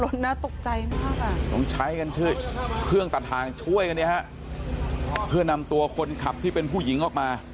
ดูรถหนี่โอ้โห